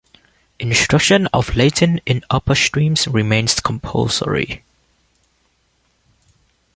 Instruction of Latin in upper streams remains compulsory.